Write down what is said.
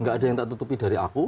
gak ada yang tak tutupi dari aku